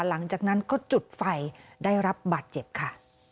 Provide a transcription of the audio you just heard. หลังจากนั้นก็จุดไฟได้รับบาดเจ็บค่ะ